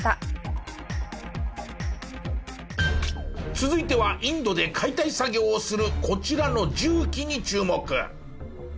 続いてはインドで解体作業をするこちらの重機に注目！